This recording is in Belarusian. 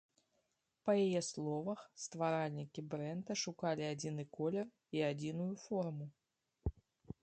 Па яе словах, стваральнікі брэнда шукалі адзіны колер і адзіную форму.